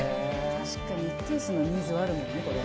確かに一定数のニーズはあるもんねこれ。